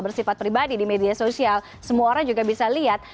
bersifat pribadi di media sosial semua orang juga bisa lihat